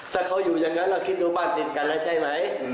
ถ้าเขาอยู่อย่างนั้นเราคิดดูบ้านดินกันแล้วใช่ไหม